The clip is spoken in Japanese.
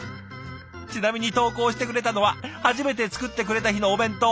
ちなみに投稿してくれたのは初めて作ってくれた日のお弁当。